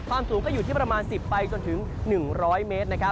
สูงก็อยู่ที่ประมาณ๑๐ไปจนถึง๑๐๐เมตร